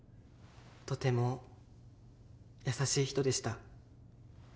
とても優しい人でした。